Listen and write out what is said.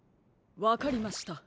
わかりました。